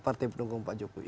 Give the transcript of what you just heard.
partai pendukung pak jokowi